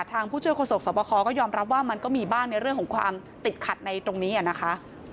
ผู้ช่วยโศกสวบคอก็ยอมรับว่ามันก็มีบ้างในเรื่องของความติดขัดในตรงนี้นะคะ